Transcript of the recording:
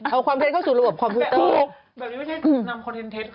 เอาความเท้นเข้าสู่ระบบคอมพิวเตอร์